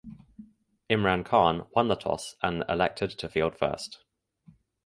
Imran Khan won the toss and elected to field first.